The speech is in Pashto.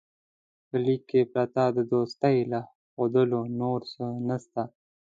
په لیک کې پرته د دوستۍ له ښودلو نور څه نسته.